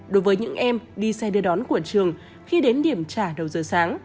đối với những em đi xe đưa đón của trường khi đến điểm trả đầu giờ sáng